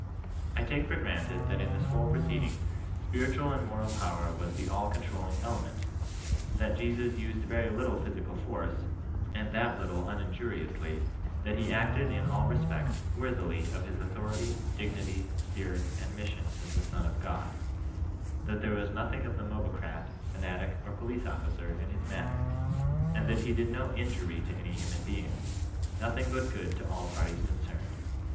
I take for granted that in this whole proceeding, spiritual and moral power was the all controlling ele ment ; that Jesus used very little physical force, and that little uninjuriously ; that he acted in all respects worthily of his authority, dignity, spirit, and mission as the Son of God ; that there was nothing of the mobocrat, fanatic, or police officer in his manner ; and that he did no injury to any human being, — ^nothing but good to all parties concerned.